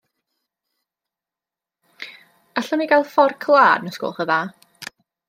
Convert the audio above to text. Allwn ni gael fforc lân os gwelwch yn dda.